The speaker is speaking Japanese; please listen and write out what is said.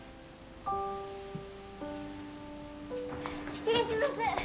失礼します！